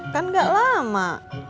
kan gak lama